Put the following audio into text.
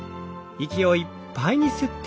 息をいっぱいに吸って。